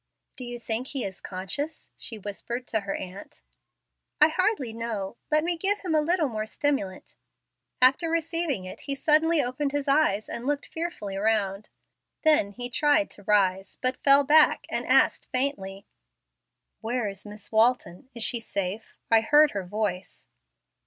"Do you think he is conscious?" she whispered to her aunt. "I hardly know. Let me give him a little more stimulant." After receiving it he suddenly opened his eyes and looked fearfully around. Then he tried to rise, but fell back, and asked, faintly, "Where is Miss Walton? Is she safe? I heard her voice."